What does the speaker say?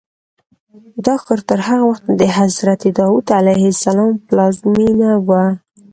دا ښار تر هغه وخته د حضرت داود پلازمینه وه.